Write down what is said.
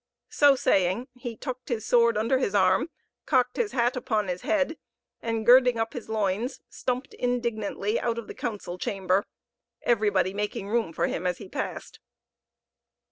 So saying, he tucked his sword under his arm, cocked his hat upon his head, and girding up his loins, stumped indignantly out of the council chamber, everybody making room for him as he passed.